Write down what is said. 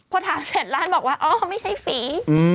พอถามเสร็จร้านบอกว่าอ๋อไม่ใช่ฝี